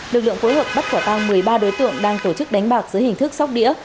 lực lượng phối hợp bắt quả tăng một mươi ba đối tượng đang tổ chức đánh bạc dưới hình thức sóc đĩa